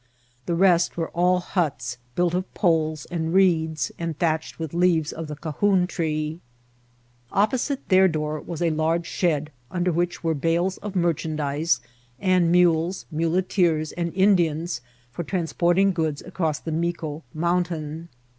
The rest were all huts, built of poles and reeds, and thatched vdth leaves of the cahoon tree. Oppo site their door was a large shed, under which were bales of merchandise, and mules, muleteers, and In dians, for transporting goods across the Mico Mountain.